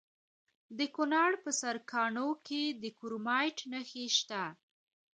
د کونړ په سرکاڼو کې د کرومایټ نښې شته.